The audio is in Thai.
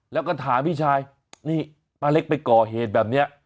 แล้วก็ถามพี่ชายนี่ป้าเล็กไปก่อเหตุแบบนี้